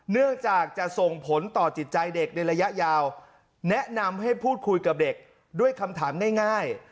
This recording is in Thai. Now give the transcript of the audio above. เนื่องจากจะส่งผลต่อจิตใจเด็กในระยะยาวแนะนำให้พูดคุยกับเด็กด้วยคำถามง่าย